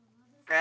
あ！